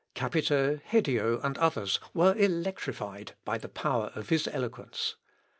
Capito, Hedio, and others, were electrified by the power of his eloquence.